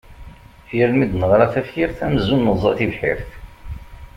Yal mi d-neɣra tafyirt, amzun neẓẓa tibḥirt.